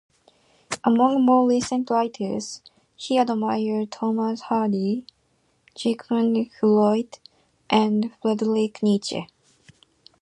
Among more recent writers, he admired Thomas Hardy, Sigmund Freud, and Friedrich Nietzsche.